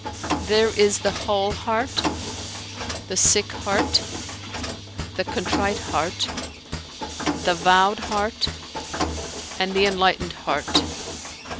"There is the whole heart, the sick heart, the contrite heart, the vowed heart and the enlightened heart.